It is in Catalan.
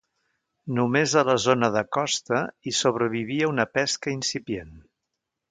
Només a la zona de costa, hi sobrevivia una pesca incipient.